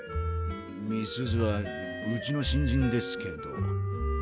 美鈴はうちの新人ですけど。